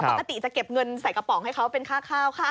ปกติจะเก็บเงินใส่กระป๋องให้เขาเป็นค่าข้าวค่า